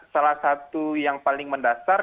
salah satu yang paling mendasar